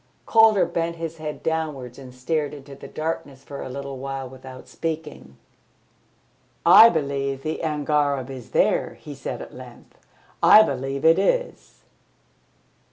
Calder bent his head downwards and stared into the darkness for a little while without speaking. "I believe the angareb is there," he said at length. "I believe it is."